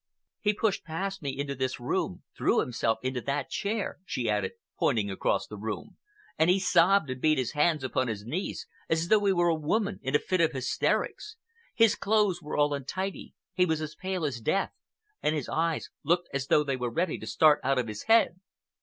He pushed past me into this room, threw himself into that chair," she added, pointing across the room, "and he sobbed and beat his hands upon his knees as though he were a woman in a fit of hysterics. His clothes were all untidy, he was as pale as death, and his eyes looked as though they were ready to start out of his head."